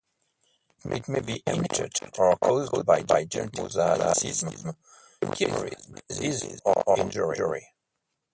It may be inherited, or caused by genetic mosaicism, chimerism, disease, or injury.